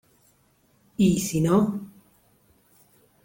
¿ y si no...?